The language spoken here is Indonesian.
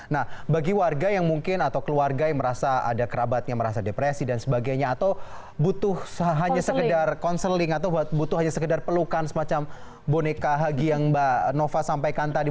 nah bagi warga yang mungkin atau keluarga yang merasa ada kerabatnya merasa depresi dan sebagainya atau butuh hanya sekedar counseling atau butuh hanya sekedar pelukan semacam boneka lagi yang mbak nova sampaikan tadi